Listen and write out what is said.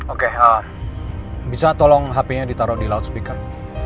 oke bisa tolong hpnya ditaruh di loudspeaker